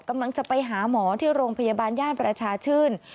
กำลังจะไปหาหมอที่โรงพยาบาลย่านประชาชื่น